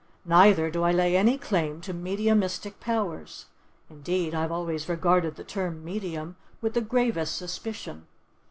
Neither do I lay any claim to mediumistic powers (indeed I have always regarded the term "medium" with the gravest suspicion).